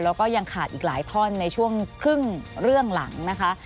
แล้วก็ยังขาดอีกหลายท่อนในช่วงครึ่งเรื่องหลังนะคะ